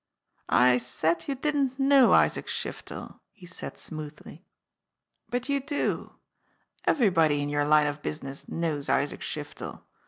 "I said you didn't know Isaac Shiftel," he said smoothly; "but you do everybody in your line of business knows Isaac Shiftel.